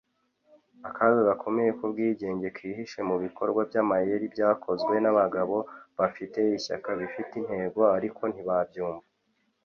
akaga gakomeye k'ubwigenge kihishe mu bikorwa by'amayeri byakozwe n'abagabo bafite ishyaka, bifite intego ariko ntibabyumva